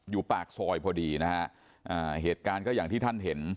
ปากซอยพอดีนะฮะอ่าเหตุการณ์ก็อย่างที่ท่านเห็น